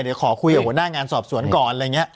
เดี๋ยวขอคุยกับหัวหน้างานสอบสวนก่อนอะไรอย่างนี้